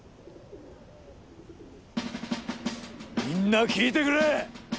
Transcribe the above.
みんな聞いてくれ！